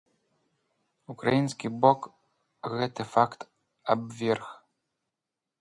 Украінскі бок гэты факт абверг.